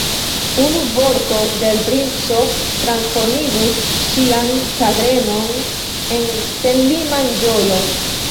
Unu vorto de l' princo transformigus ŝian ĉagrenon en senliman ĝojon.